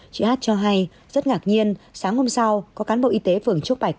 chị hát cho hay rất ngạc nhiên sáng hôm sau có cán bộ y tế phường trúc bạch